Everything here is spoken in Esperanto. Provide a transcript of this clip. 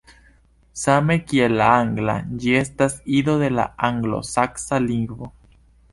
Same kiel la angla, ĝi estas ido de la anglosaksa lingvo.